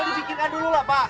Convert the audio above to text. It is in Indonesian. lo dibikinkan dulu lah pak